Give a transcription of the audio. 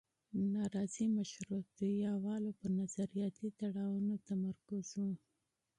نارضي مشروطیه والو پر نظریاتي تړاوونو تمرکز و.